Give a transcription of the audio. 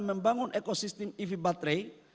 membangun ekosistem ev battery